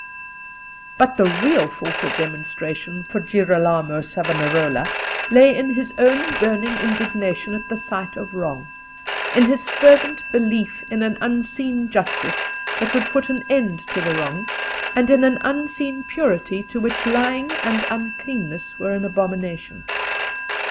But the real force of demonstration for Girolamo Savonarola lay in his own burning indignation at the sight of wrong; in his fervent belief in an Unseen Justice that would put an end to the wrong, and in an Unseen Purity to which lying and uncleanness were an abomination.